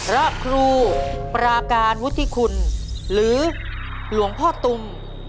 พระครูปราการวุฒิคุณหรือหลวงพ่อตุม